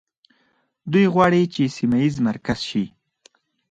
دوی غواړي چې سیمه ییز مرکز شي.